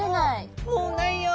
「もうないよ。